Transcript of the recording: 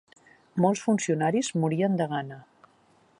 Molts funcionaris morien de gana.